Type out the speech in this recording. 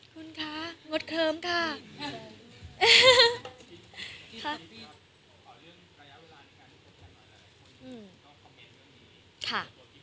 คุณคะงดเคิ้มค่ะ